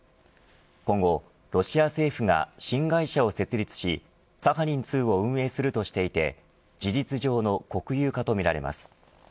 今後ロシア政府が新会社を設立しサハリン２を運営するとしていて事実上の国有化とみられます。